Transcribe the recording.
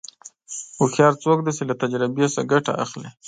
هوښیار څوک دی چې له تجربې نه ګټه اخلي.